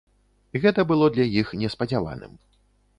Гэта было для іх неспадзяваным.